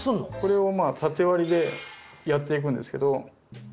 これを縦割りでやっていくんですけど。